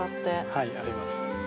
はい、ありますね。